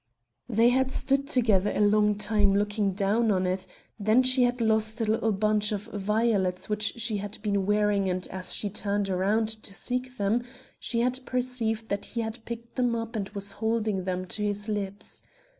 They had stood together a long time looking down on it; then she had lost a little bunch of violets which she had been wearing and as she turned round to seek them she had perceived that he had picked them up and was holding them to his lips.